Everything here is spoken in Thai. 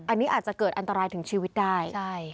อันนี้อาจจะเกิดอันตรายถึงชีวิตได้